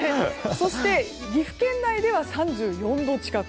そして、岐阜県内では３４度近く。